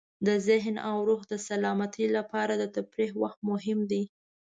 د ذهن او روح د سلامتۍ لپاره د تفریح وخت مهم دی.